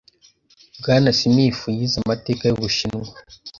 Bwana Smith yize amateka y'Ubushinwa.